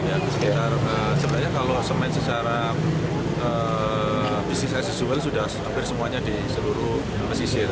sekitar enam ya sekitar sebenarnya kalau semen secara bisnis asesual sudah hampir semuanya di seluruh pesisir